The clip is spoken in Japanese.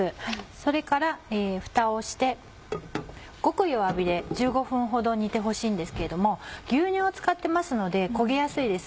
それからふたをしてごく弱火で１５分ほど煮てほしいんですけれども牛乳を使ってますので焦げやすいです。